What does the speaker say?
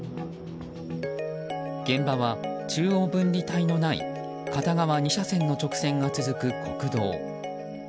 現場は中央分離帯のない片側２車線の直線が続く国道。